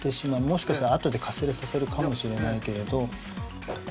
もしかしたらあとでかすれさせるかもしれないけれど。